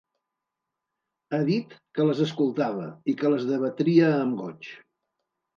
Ha dit que les escoltava i que les debatria amb goig.